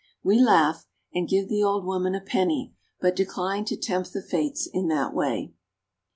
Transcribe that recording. We laugh, and give the old woman a penny, but decline to tempt the fates in that way.